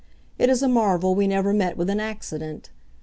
It is a marvel we never met with an accident.